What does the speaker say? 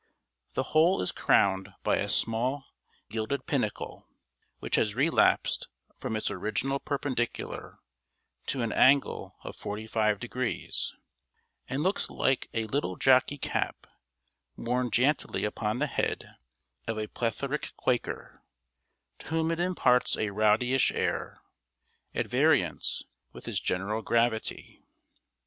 The whole is crowned by a small gilded pinnacle, which has relapsed from its original perpendicular to an angle of forty five degrees, and looks like a little jockey cap, worn jantily upon the head of a plethoric quaker, to whom it imparts a rowdyish air, at variance with his general gravity.